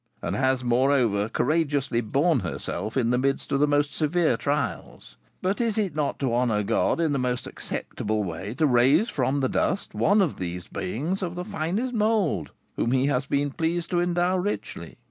and has, moreover, courageously borne herself in the midst of the most severe trials. But is it not to honour God in the most acceptable way, to raise from the dust one of those beings of the finest mould, whom he has been pleased to endow richly?